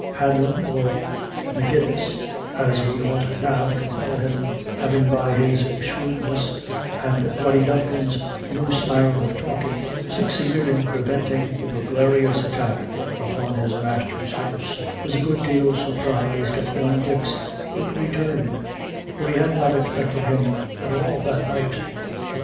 Hanlon, or Magennis, as we ought now to call him, having by his shrewdness, and Rody Duncan's loose manner of talking, succeeded in preventing the burglarious attack upon his master's house, was a good deal surprised at young Dick's quick return, for he had not expected him at all that night.